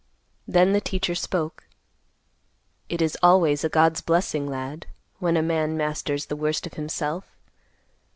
Then the teacher spoke, "It is always a God's blessing, lad, when a man masters the worst of himself.